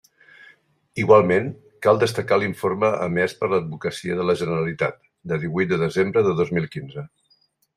Igualment, cal destacar l'informe emès per l'Advocacia de la Generalitat, de díhuit de desembre de dos mil quinze.